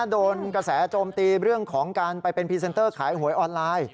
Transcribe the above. โดนกระแสโจมตีเรื่องของการไปเป็นพรีเซนเตอร์ขายหวยออนไลน์